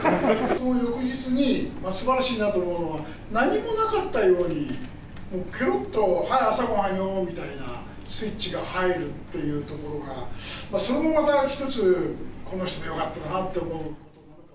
その翌日にすばらしいと思うのは、何もなかったように、けろっと、はい、朝ごはんよーみたいなスイッチが入るというところが、それもまたひとつ、この人でよかったかなって思う。